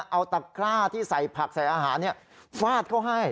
เอาตะกร้าที่ใส่ผักใส่อาหารฟาดเขาให้